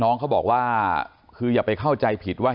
น้องเขาบอกว่าคืออย่าไปเข้าใจผิดว่า